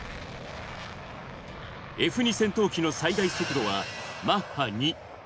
Ｆ２戦闘機の最大速度はマッハ２。